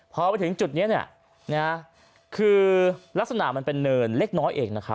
พอไปถึงจุดนี้ลักษณะเป็นเนินเล็กน้อยเอก